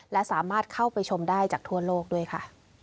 และสามารถเข้าไปชมได้จากทั่วโลกด้วยค่ะ